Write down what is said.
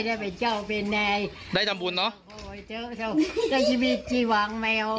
ได้เป็นเจ้าเป็นไหนได้ทำบุญเนอะโอ้โฮเจ้าโอ้โฮ